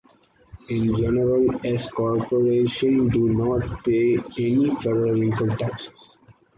In general, S corporations do not pay any federal income taxes.